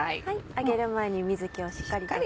揚げる前に水気をしっかりと。